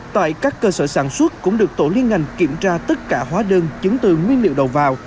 tại các cơ sở sản xuất cũng được tổ liên ngành kiểm tra tất cả hóa đơn chứng từ nguyên liệu đầu vào